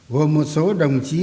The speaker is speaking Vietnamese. gồm một số đồng chí